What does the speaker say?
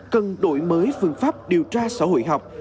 cần đổi mới phương pháp điều tra xã hội học